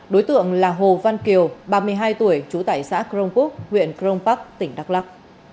đối tượng là hồ văn kiều ba mươi hai tuổi trú tại xã crong quốc huyện crong park tỉnh đắk lắc